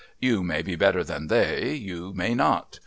You may be better than they. You may not.